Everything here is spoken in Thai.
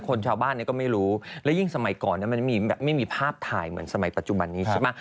ชาวบ้านเนี่ยก็ไม่รู้และยิ่งสมัยก่อนมันไม่มีภาพถ่ายเหมือนสมัยปัจจุบันนี้ใช่ไหม